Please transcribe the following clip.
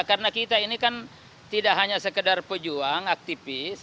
karena kita ini kan tidak hanya sekedar pejuang aktivis